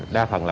đa phần là